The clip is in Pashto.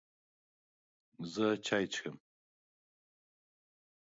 زه چای څښم